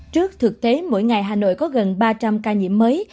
trước thực tế mỗi ngày hà nội có gần ba trăm linh ca nhiễm mới